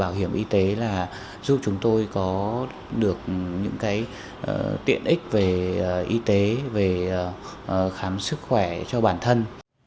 bảo hiểm y tế là giúp chúng tôi có được những cái tiện ích về y tế về khám sức khỏe cho bản thân